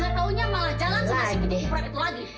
gak taunya malah jalan masih ketukupret itu lagi